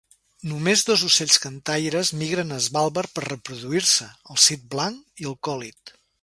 Només dos ocells cantaires migren a Svalbard per reproduir-se: el sit blanc i el còlit.